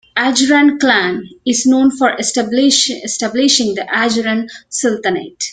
The Ajuran clan is known for establishing the Ajuran Sultanate.